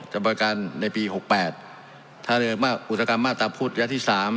จะบริการในปีหกแปดทะเลมาอุตสกรรมมาตรภูติยัดที่สาม